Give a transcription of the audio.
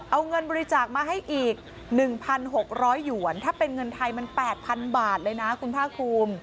เอาเงินบริจาคมาให้อีก๑๖๐๐หยวนถ้าเป็นเงินไทยมัน๘๐๐๐บาทเลยนะคุณภาคภูมิ